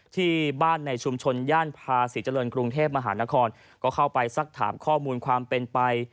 ที่บ้านในชุมชนย่านภาษีเจริญกรุงเทพมหานครก็เข้าไปสักถามข้อมูลความเป็นไป